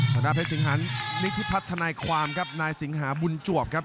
ทางด้านเพชรสิงหันนิธิพัฒนายความครับนายสิงหาบุญจวบครับ